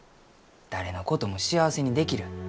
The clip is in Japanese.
誰のことも幸せにできる。